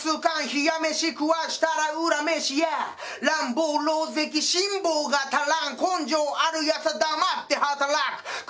冷や飯食わしたら恨めしや乱暴狼藉辛抱が足らん根性あるやつは黙って働く首